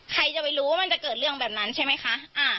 ใครจะไปรู้ว่ามันจะเกิดเรื่องแบบนั้นใช่ไหมคะ